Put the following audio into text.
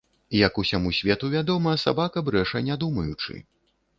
Як усяму свету вядома, сабака брэша не думаючы.